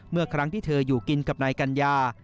เมื่อครั้งที่เธออยู่กินกับนายกัญญา